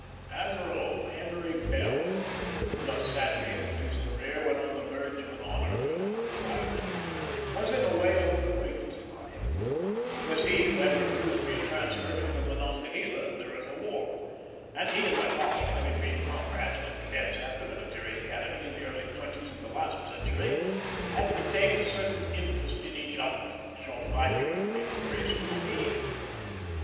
Admiral Henry Bell, who thus sadly ended his career when on the verge of an honored retirement, was in a way an old acquaintance of mine. It was he who had refused me a transfer to the Monongahela during the war; and he and my father, having been comrades when cadets at the Military Academy in the early twenties of the last century, had retained a certain interest in each other, shown by mutual inquiries through me.